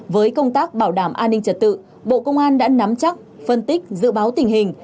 với công tác bảo đảm an ninh trật tự bộ công an đã nắm chắc phân tích dự báo tình hình